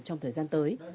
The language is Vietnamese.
trong thời gian tới